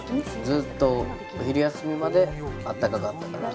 ずっと昼休みまであったかかったから。